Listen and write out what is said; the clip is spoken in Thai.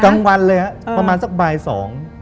กลางวันเลยครับประมาณสักบ่ายสอง